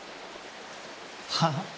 はあ？